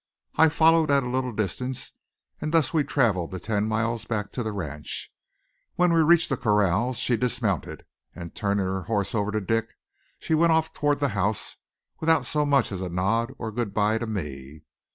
I followed at a little distance, and thus we traveled the ten miles back to the ranch. When we reached the corrals she dismounted and, turning her horse over to Dick, she went off toward the house without so much as a nod or good by to me.